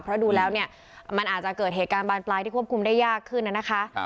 เพราะดูแล้วเนี่ยมันอาจจะเกิดเหตุการณ์บานปลายที่ควบคุมได้ยากขึ้นน่ะนะคะ